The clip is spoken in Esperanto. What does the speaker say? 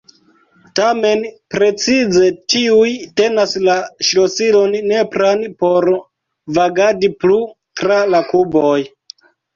Tamen precize tiuj tenas la ŝlosilon nepran por vagadi plu tra la kuboj.